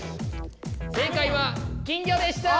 正解は金魚でした！